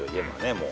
もう。